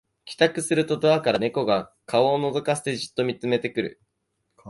帰宅するとドアから猫が顔をのぞかせてじっと見つめてくる